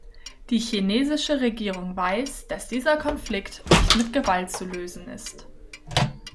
Die chinesische Regierung wei, dass dieser Konflikt nicht mit Gewalt zu lsen ist.